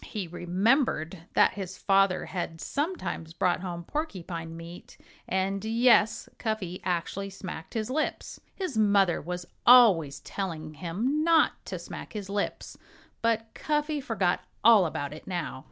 He remembered that his father had sometimes brought home porcupine meat and yes, Cuffy actually smacked his lips! His mother was always telling him not to smack his lips, but Cuffy forgot all about it now.